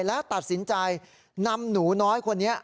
และตัดสินใจนำหนูน้อยคนนี้